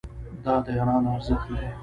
دا د ایران ارزښت دی.